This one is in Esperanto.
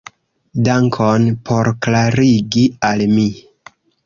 Dankon por klarigi al mi.